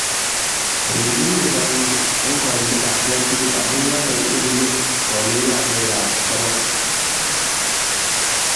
Riip muguleldang'ung' eng' kagiiletapkei tugul, amu yooto ko punu kong'igap peegap saboon.